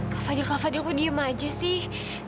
kak fadil kak fadil kok diem aja sih